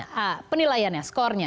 nah penilaiannya skornya